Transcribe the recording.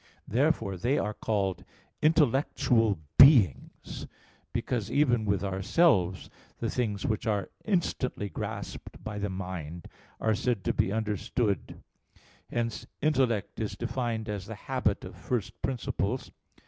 Therefore they are called "intellectual beings": because even with ourselves the things which are instantly grasped by the mind are said to be understood [intelligi]; hence "intellect" is defined as the habit of first principles.